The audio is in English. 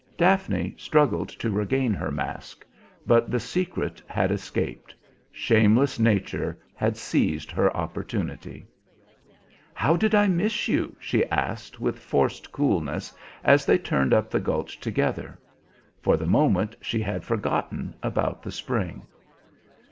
Daphne struggled to regain her mask, but the secret had escaped: shameless Nature had seized her opportunity. "How did I miss you?" she asked with forced coolness, as they turned up the gulch together. For the moment she had forgotten about the spring.